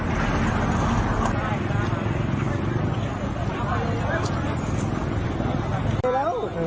ภาพีนาศาสตร์เข้าไปมีหลายส่วนประสงค์